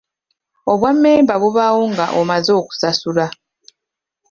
Obwammemba bubaawo nga omaze okusasula.